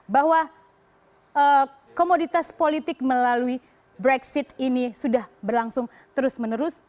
bahwa komoditas politik melalui brexit ini sudah berlangsung terus menerus